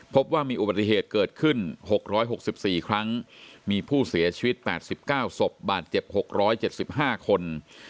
พบว่ามีอุบัติเหตุเกิดขึ้น๖๖๔ครั้งมีผู้เสียชีวิต๘๙ศพบาดเจ็บ๖๗๕คน